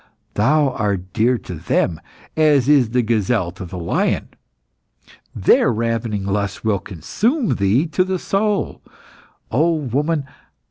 Thou art dear to them as is the gazelle to the lion. Their ravening lusts will consume thee to the soul, O woman!